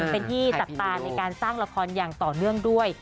เป็นที่จับตาในการสร้างละครอย่างต่อเนื่องด้วย